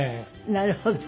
なるほどね。